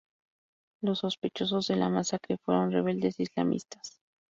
Los sospechosos de la masacre fueron rebeldes islamistas.